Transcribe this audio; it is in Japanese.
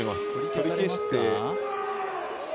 取り消して。